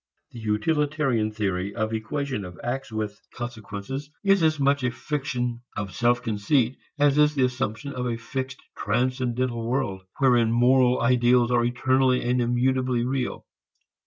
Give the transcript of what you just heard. The utilitarian theory of equation of acts with consequences is as much a fiction of self conceit as is the assumption of a fixed transcendental world wherein moral ideals are eternally and immutably real.